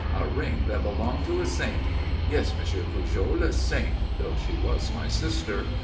"A ring that belonged to a saint. Yes, Monsieur Pujol, a saint, though she was my sister.